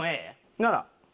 なら。